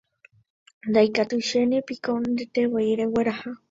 Ndaikatuichénepiko ndetevoi regueraha